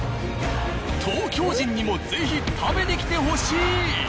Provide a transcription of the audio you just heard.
東京人にも是非食べに来てほしい！